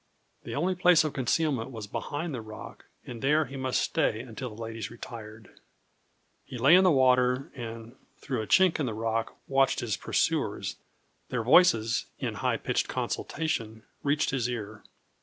The only place of concealment was behind the rock, and there he must stay until the ladies retired. He lay in the water, and through a chink in the rock watched his pursuers; their voices, in high pitched consultation, reached his ear.